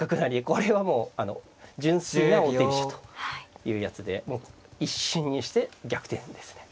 これはもう純粋な王手飛車というやつで一瞬にして逆転ですね。